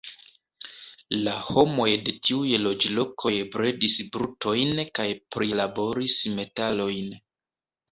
La homoj de tiuj loĝlokoj bredis brutojn kaj prilaboris metalojn.